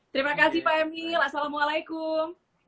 terima kasih pak emil assalamualaikum